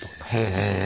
へえ。